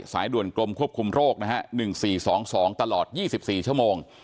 สายด่วนกลมควบคุมโรคนะฮะหนึ่งสี่สองสองตลอดยี่สิบสี่ชั่วโมง